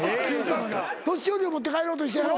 年寄りを持って帰ろうとしたんやろ？